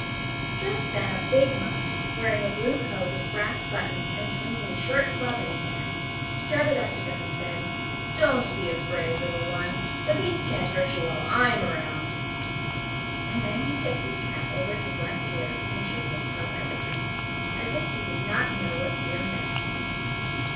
Just then a big monkey, wearing a blue coat with brass buttons and swinging a short club in his hand, strutted up to them and said: "Don't be afraid, little one. The beast can't hurt you while I'm around!" And then he tipped his cap over his left ear and shook his club at the Prince, as if he did not know what fear meant.